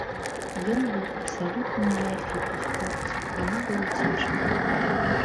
Ён быў абсалютны неафіт у спорце, яму было цяжка.